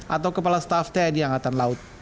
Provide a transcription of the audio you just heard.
atau kepala staff tni angkatan laut